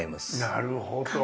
なるほど。